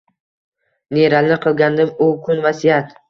Nelarni qilgandim u kun vasiyat?